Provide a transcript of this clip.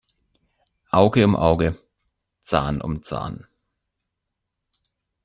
Auge um Auge, Zahn um Zahn.